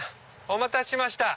お待たせしました。